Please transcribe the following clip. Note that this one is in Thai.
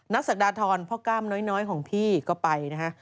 ศักดาทรพ่อกล้ามน้อยของพี่ก็ไปนะฮะ